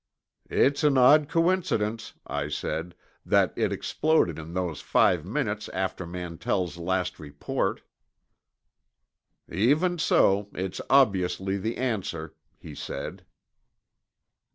"It's an odd coincidence," I said, "that it exploded in those five minutes after Mantell's last report." "Even so, it's obviously the answer," he said.